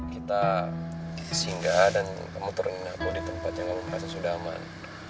kita singgah dan kamu turunin aku di tempat yang kamu merasa sudah aman